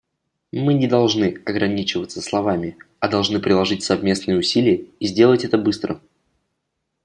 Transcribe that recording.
Мы не должны ограничиваться словами, а должны приложить совместные усилия, и сделать это быстро.